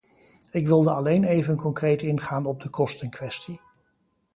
Ik wilde alleen even concreet ingaan op de kostenkwestie.